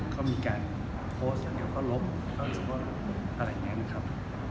ผมก็ไม่ทราบว่าจะให้ผมไปขอโทษเรื่องอะไรนะครับ